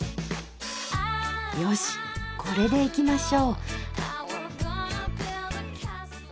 よしこれでいきましょう。